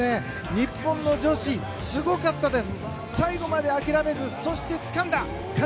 日本の女子すごかったです。